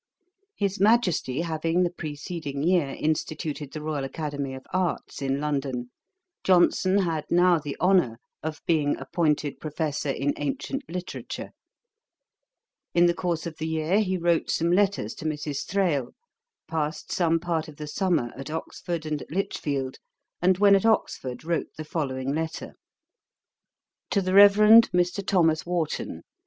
His Majesty having the preceding year instituted the Royal Academy of Arts in London, Johnson had now the honour of being appointed Professor in Ancient Literature. In the course of the year he wrote some letters to Mrs. Thrale, passed some part of the summer at Oxford and at Lichfield, and when at Oxford wrote the following letter: 'To THE REVEREND MR. THOMAS WARTON.